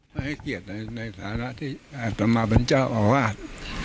ให้เกียรติในฐานะที่อาตมาเป็นเจ้าอาวาส